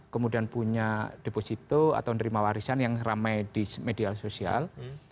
kemudian punya deposito atau nerima warisan yang ramai di media sosial